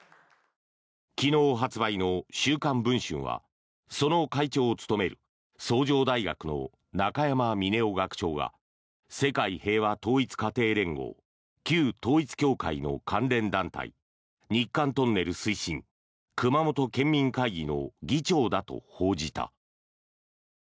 昨日発売の「週刊文春」はその会長を務める崇城大学の中山峰男学長が世界平和統一家庭連合旧統一教会の関連団体日韓トンネル推進熊本県民会議の議長だと報じた。